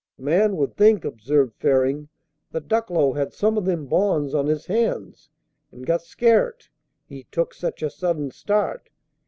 "A man would think," observed Ferring, "that Ducklow had some o' them bonds on his hands, and got scaret, he took such a sudden start.